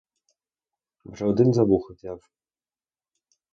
Вже один за вухо взяв.